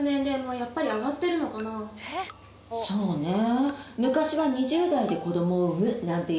そうねえ。